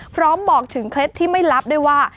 พร้อมบอกถึงเคล็ดที่ไม่ลับด้วยว่า